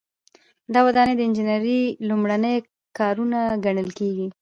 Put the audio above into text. دا ودانۍ د انجنیری لومړني کارونه ګڼل کیږي.